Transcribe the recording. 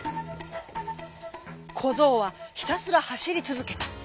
こぞうはひたすらはしりつづけた。